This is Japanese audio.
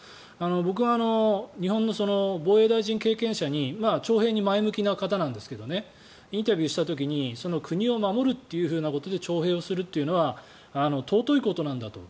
僕は日本の防衛大臣経験者に徴兵に前向きな方なんですがインタビューをした時に国を守るというふうなことで徴兵をするっていうのは尊いことなんだと。